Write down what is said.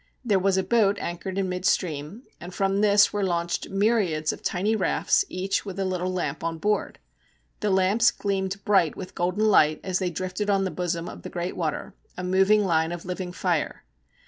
There was a boat anchored in mid stream, and from this were launched myriads of tiny rafts, each with a little lamp on board. The lamps gleamed bright with golden light as they drifted on the bosom of the great water, a moving line of living fire.